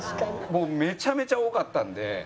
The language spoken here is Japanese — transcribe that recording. もうめちゃめちゃ多かったんで。